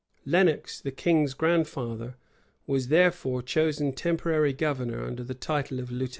[] Lenox, the king's grandfather, was therefore chosen temporary governor, under the title of lieutenant.